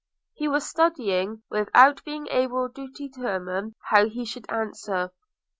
He was studying, without being able to determine, how he should answer.